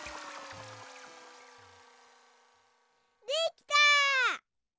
できた！